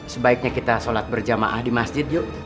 sebaiknya kita sholat berjamaah di masjid yuk